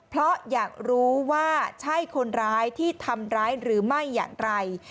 เพราะอยากรู้ว่าใช่คนร้ายที่ทำร้ายหรือไม่อย่างไร